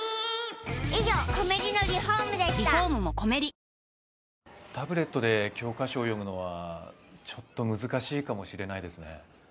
東京海上日動タブレットで教科書を読むのはちょっと難しいかもしれないですね。